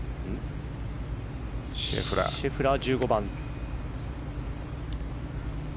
シェフラー、１５番。